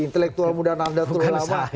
intelektual muda nanda tulang lama